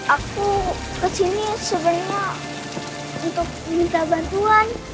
aku kesini sebenarnya untuk minta bantuan